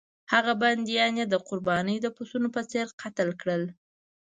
هغه بندیان یې د قربانۍ د پسونو په څېر قتل کړل.